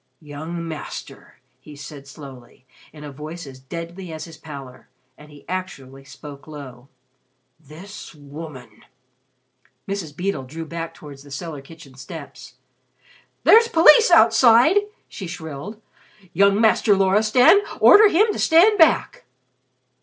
"Young Master," he said slowly, in a voice as deadly as his pallor, and he actually spoke low, "this woman " Mrs. Beedle drew back towards the cellar kitchen steps. "There's police outside," she shrilled. "Young Master Loristan, order him to stand back."